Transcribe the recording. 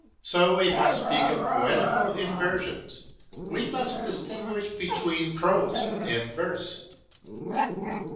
So we must speak of poetical inversions, we must distinguish between prose and verse.